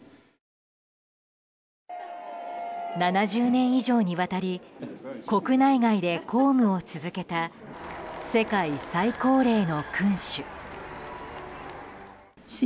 ７０年以上にわたり国内外で公務を続けた世界最高齢の君主。